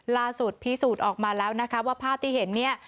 ล่าสุดพิสูจน์ออกมาแล้วนะคะว่าภาพที่เห็นเนี่ย